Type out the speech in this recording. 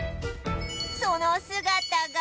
その姿が